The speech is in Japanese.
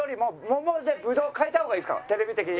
テレビ的に。